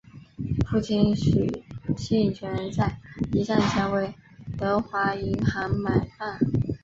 父亲许杏泉在一战前为德华银行买办。